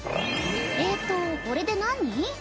えっとこれで何人？